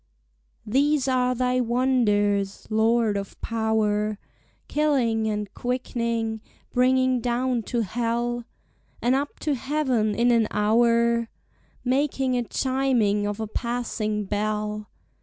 These are thy wonders, Lord of power, Killing and quickning, bringing down to hell And up to heaven in an houre; Making a chiming of a passing bell.